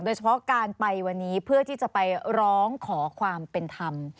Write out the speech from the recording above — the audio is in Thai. โดยเฉพาะการไปวันนี้เพื่อที่จะไปร้องขอความเป็นธรรม